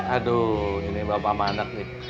aduh ini bapak sama anak nih